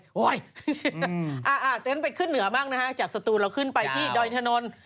โอ๊ยแต่งนั้นไปขึ้นเหนือมากนะฮะจากศัตรูเราขึ้นไปที่ดอยทะโน้น